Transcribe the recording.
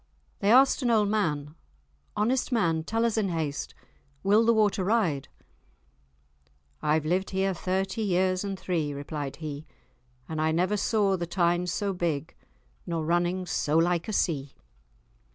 They asked an old man, "Honest man, tell us in haste, will the water ride?" "I've lived here thirty years and three," replied he, "and I never saw the Tyne so big, nor running so like a sea."